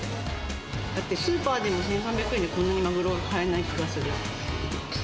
だってスーパーでも１３００円じゃこんなにマグロは買えない気がする。